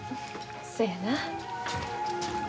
そやな。